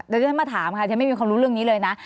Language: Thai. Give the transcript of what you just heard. เดี๋ยวจะมาถามค่ะเธอไม่มีคำรู้เรื่องนี้เลยนะ